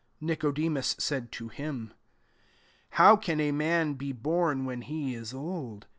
4 Nicodemus said to him, ^ How can a man be born when he is old